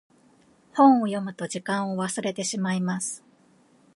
本を読むと時間を忘れてしまいます。